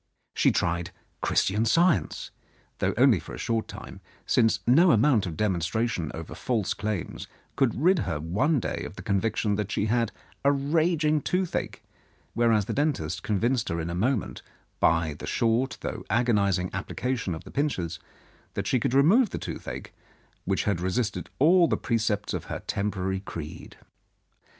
She tried Christian Science, though only for a short time, since no amount of demonstration over false claims could rid her one day of the conviction that she had a raging toothache, whereas the dentist convinced her in a moment, by the short though agonizing application of the pincers, 172 Mrs. Andrews's Control that he could remove the toothache, which had resisted all the precepts of her temporary creed.